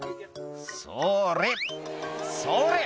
「それ！それ！」